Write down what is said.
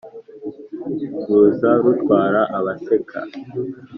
Ruza rutwara abaseka.